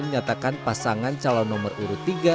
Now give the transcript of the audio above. menyatakan pasangan calon nomor urut tiga